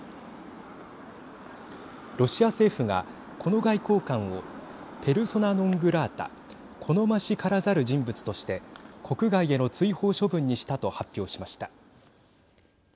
ロシア政府が、この外交官をペルソナ・ノン・グラータ＝好ましからざる人物として国外への追放処分にしたと発表しました。